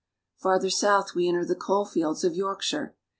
Farther south we enter the coal fields of Yorkshire.